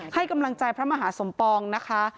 ให้กำลังใจพระมหาสมปองนะคะ